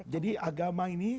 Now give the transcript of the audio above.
jadi agama ini